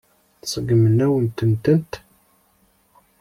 Seggment-awen-tent.